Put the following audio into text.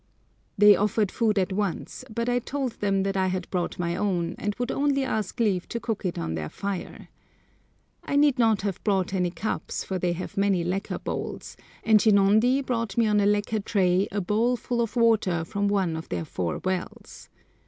They offered food at once, but I told them that I had brought my own, and would only ask leave to cook it on their fire. I need not have brought any cups, for they have many lacquer bowls, and Shinondi brought me on a lacquer tray a bowl full of water from one of their four wells.